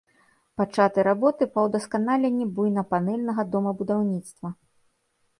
Пачаты работы па ўдасканаленні буйнапанэльнага домабудаўніцтва.